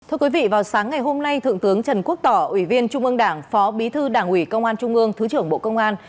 thưa quý vị vào sáng ngày hôm nay thượng tướng trần quốc tỏ ủy viên trung ương đảng phó bí thư đảng ủy công an trung ương thứ trưởng bộ công an